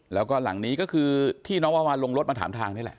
แล้วก็หลังนี้ก็คือที่น้องวาวานลงรถมาถามทางนี่แหละ